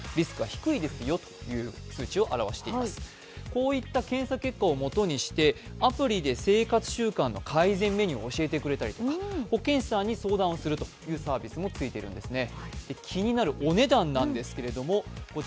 こういった検査結果を素にしてアプリで生活習慣の改善メニューを教えてくれたりとか、保健師さんに相談するというサービスもついているんですね。